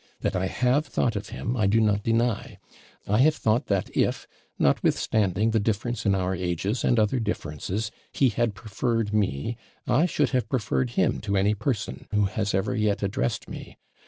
That I have thought of him, I do not deny I have thought, that if, notwithstanding the difference in our ages, and other differences, he had preferred me, I should have preferred him to any person who has ever yet addressed me.